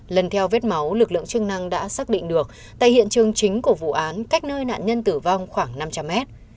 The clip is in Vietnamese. lần theo vết máu lực lượng chức năng đã xác định được tại hiện trường chính của vụ án cách nơi nạn nhân tử vong khoảng năm trăm linh mét